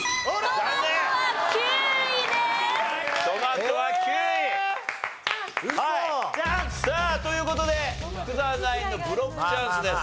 ウソ？さあという事で福澤ナインのブロックチャンスです。